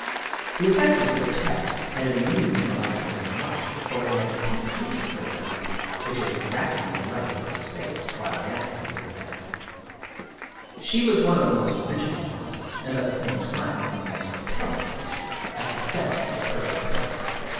The effect was grotesque, and it amused Melanch thon very much, for he had to peep through this gold hoop, which was exactly on a level with his face, while dancing with the Bat. She was one of the most original masks and at the same time one of the most repelling ones at the fete of the Persian prince.